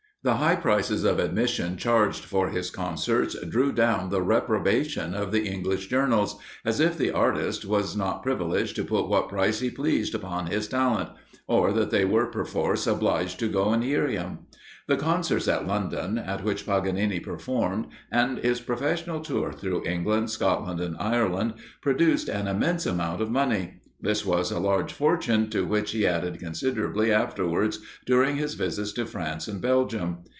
The high prices of admission charged for his concerts drew down the reprobation of the English journals, as if the artist was not privileged to put what price he pleased upon his talent, or that they were perforce obliged to go and hear him. The concerts at London, at which Paganini performed, and his professional tour through England, Scotland, and Ireland, produced an immense amount of money; this was a large fortune, to which he added considerably afterwards, during his visits to France and Belgium.